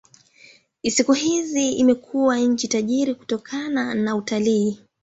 Siku hizi imekuwa nchi tajiri kutokana na utalii.